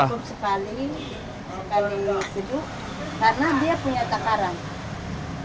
cukup sekali sejuk karena dia punya takaran